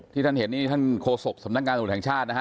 ที่ท่านเห็นนี่ท่านโคสกสำนักงานสมุทธแห่งชาตินะฮะ